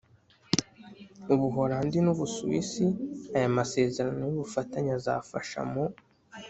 Ubuholandi n Ubusuwisi Aya masezerano y ubufatanye azafasha mu